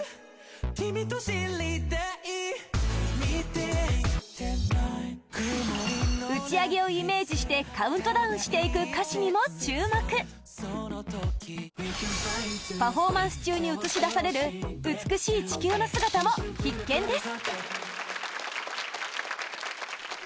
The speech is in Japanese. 「君と知りたい」打ち上げをイメージしてカウントダウンしていく歌詞にも注目パフォーマンス中に映し出される美しい地球の姿も必見です